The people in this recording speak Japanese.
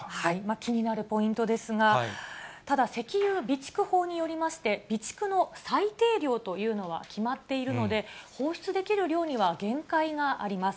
気になるポイントですが、ただ、石油備蓄法によりまして、備蓄の最低量というのは決まっているので、放出できる量には限界があります。